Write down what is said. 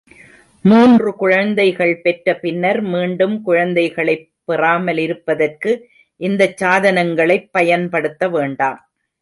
மூன்று குழந்தைகள் பெற்ற பின்னர் மீண்டும் குழந்தைகளைப் பெறாமலிருப்பதற்கு இந்தச் சாதனங்களைப் பயன்படுத்தவேண்டாம்.